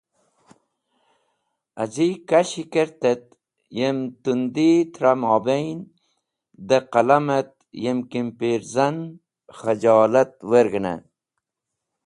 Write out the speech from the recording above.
Az̃i kashi kert et yem tundi tra mobayn di qalam et yem kimpirzan khajolat wereg̃hne.